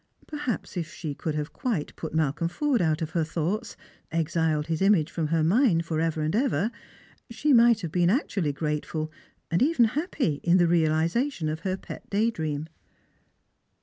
Perhaps if she could nave quite put Malcolm Forde out of her thoughts, exiled his image from her mind for ever and ever, she might have been actually grateful, and even happy, in the realisation of her pet day dream.